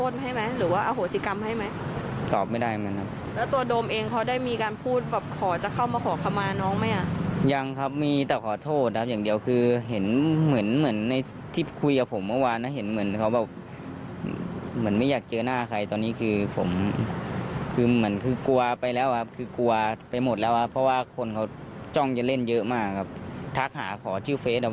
ส่วนประเด็นที่ในโดมอ้างว่ามีเงินได้จากการค้ายาและอาวุธปืน